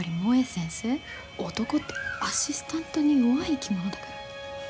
男ってアシスタントに弱い生き物だから。